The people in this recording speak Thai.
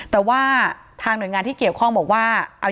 แต่ว่าทางหน่วยงานที่เกี่ยวข้องบอกว่า